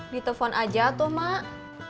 ditepon aja tuh mak